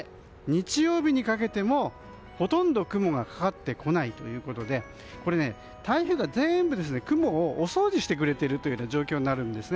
日曜日にかけても、ほとんど雲がかかってこないということで台風が全部雲をお掃除してくれる状況になるんです。